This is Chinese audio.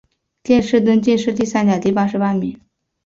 殿试登进士第三甲第八十八名。